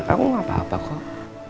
kamu gak apa apa kok